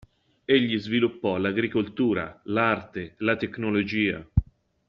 Egli sviluppò l'agricoltura, l'arte, la tecnologia.